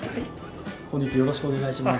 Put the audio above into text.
本日よろしくお願いします。